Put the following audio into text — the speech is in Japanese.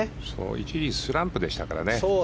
一時スランプでしたからね。